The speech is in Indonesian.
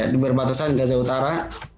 di perbatasan gaza utara